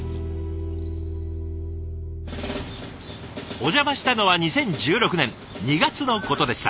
お邪魔したのは２０１６年２月のことでした。